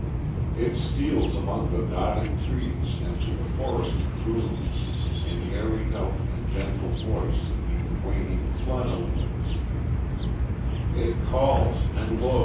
It steals among the nodding trees and to the forest croons, In airy note and gentle voice, 'neath waning plenilunes; It calls, and lo!